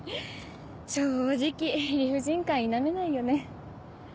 正直理不尽感否めないよね。